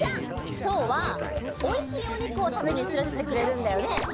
今日は、おいしいお肉を食べに連れてってくれるんだよね。